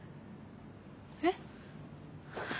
えっ？